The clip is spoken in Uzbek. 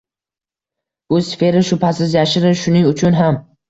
Bu sfera, shubhasiz, yashirin, shuning uchun ham